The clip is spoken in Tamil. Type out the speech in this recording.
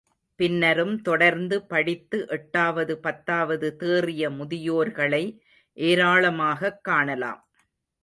பின்னரும் தொடர்ந்து படித்து எட்டாவது, பத்தாவது தேறிய முதியோர்களை ஏராளமாகக் காணலாம்.